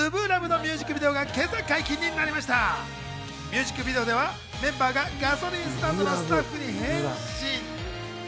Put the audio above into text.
ミュージックビデオではメンバーがガソリンスタンドのスタッフに変身。